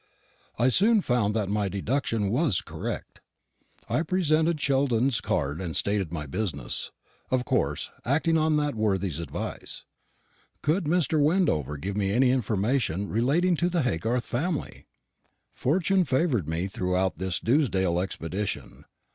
I soon found that my deduction was correct. I presented Sheldon's card and stated my business, of course acting on that worthy's advice. Could Mr. Wendover give me any information relating to the Haygarth family? Fortune favoured me throughout this Dewsdale expedition.